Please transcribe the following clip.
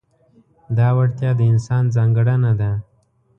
دا وړتیا د انسان ځانګړنه ده.